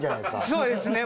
そうですね。